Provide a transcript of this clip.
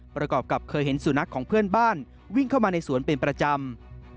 ประกอบกับเคยเห็นสุนัขของเพื่อนบ้านวิ่งเข้ามาในสวนเป็นประจำ